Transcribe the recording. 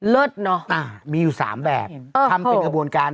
เลิศเนอะมีอยู่๓แบบทำเป็นกระบวนการ